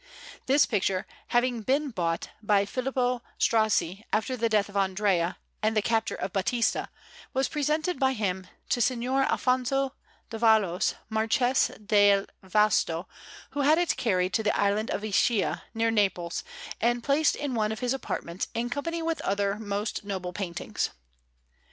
This picture, having been bought by Filippo Strozzi after the death of Andrea and the capture of Battista, was presented by him to Signor Alfonso Davalos, Marchese del Vasto, who had it carried to the island of Ischia, near Naples, and placed in one of his apartments in company with other most noble paintings.